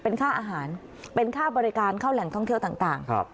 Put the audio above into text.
เป็นค่าอาหารเป็นค่าบริการเข้าแหล่งท่องเที่ยวต่าง